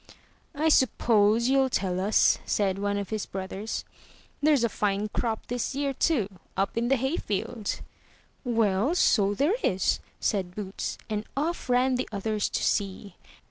*1 suppose you'll tell us," said one of his brothers, "there's a fine crop this year too, up in the hayfield." "Well, so there is," said Boots; and off ran the others to see.